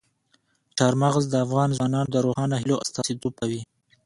چار مغز د افغان ځوانانو د روښانه هیلو استازیتوب کوي.